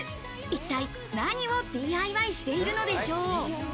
一体何をＤＩＹしているのでしょう。